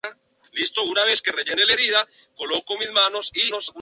Para la puerta, hueco semicircular, se han utilizado grandes dovelas.